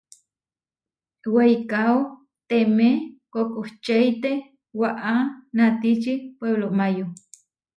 Weikáo temé kokočeite waʼá natiči Puéblo Máyo.